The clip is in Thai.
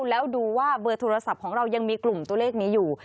แล้วดูว่าเบอร์โทรศัพท์ของเรายังมีกลุ่มตัวเลขนี้อยู่